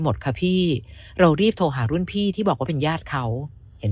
หมดค่ะพี่เรารีบโทรหารุ่นพี่ที่บอกว่าเป็นญาติเขาเห็น